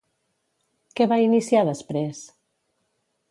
Què va iniciar després?